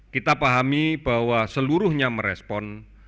kita pahami bahwa seluruhnya merespon